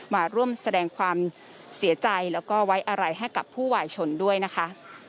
มาร่วมแสดงความเสียใจแล้วก็ไว้อะไรให้กับผู้วายชนด้วยนะคะ